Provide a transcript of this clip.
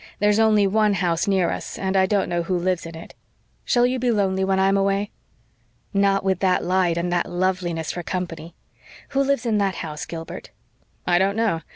There's only one house near us and I don't know who lives in it. Shall you be lonely when I'm away?" "Not with that light and that loveliness for company. Who lives in that house, Gilbert?" "I don't know.